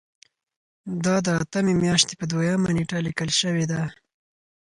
دا د اتمې میاشتې په دویمه نیټه لیکل شوې ده.